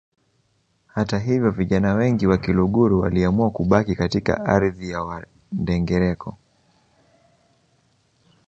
Hata hivyo vijana wengi wa Kiluguru waliamua kubaki katika ardhi ya Wandengereko